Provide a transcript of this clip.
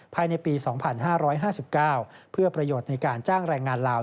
ภายในปี๒๕๕๙เพื่อประโยชน์ในการจ้างแรงงานลาว